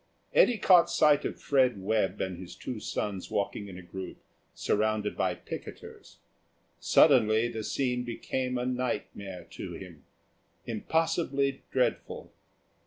Eddy caught sight of Fred Webb and his two sons walking in a group, surrounded by picketters. Suddenly the scene became a nightmare to him, impossibly dreadful.